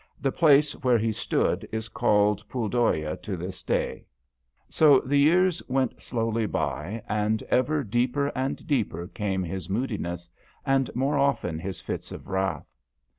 The place where he stood is called Pooldhoya to this day. 178 DHOYA. So the years went slowly by, and ever deeper and deeper came his moodiness, and more often his fits of wrath.